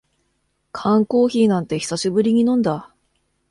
缶コーヒーなんて久しぶりに飲んだ